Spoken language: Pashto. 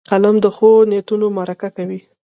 قلم د ښو نیتونو مرکه کوي